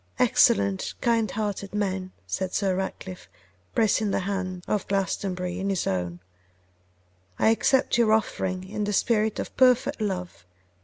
'Excellent, kind hearted man!' said Sir Ratcliffe, pressing the hand of Glastonbury in his own; 'I accept your offering in the spirit of perfect love.